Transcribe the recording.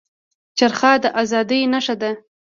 چرخه د ازادۍ نښه شوه.